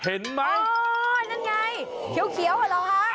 เห็นไหมอ๋อนั่นไงเขียวเหรอคะ